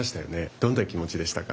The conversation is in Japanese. どんな気持ちでしたか。